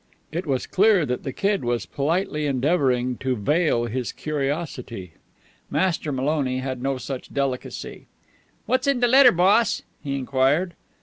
It was apparent that the Kid was politely endeavoring to veil his curiosity. Master Maloney had no such delicacy. "What's in de letter, boss?" he enquired.